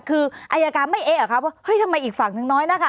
คืออายการไม่เอ๊ะเหรอครับว่าเฮ้ยทำไมอีกฝั่งนึงน้อยนะคะ